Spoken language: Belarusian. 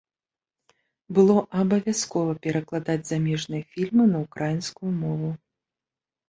Было абавязкова перакладаць замежныя фільмы на ўкраінскую мову.